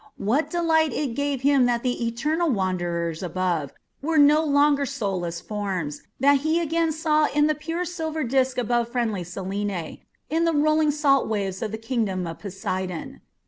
What delight it gave him that the eternal wanderers above were no longer soulless forms, that he again saw in the pure silver disk above friendly Selene, in the rolling salt waves the kingdom of Poseidon!